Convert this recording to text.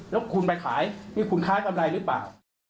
แล้วคุณไปขายนี่คุณค้ากำไรหรือเปล่า